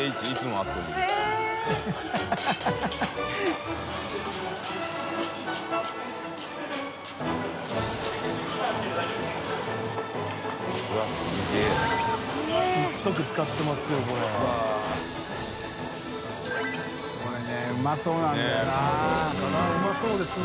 あっうまそうですね。